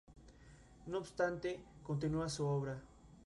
No obstante, continúa su obra.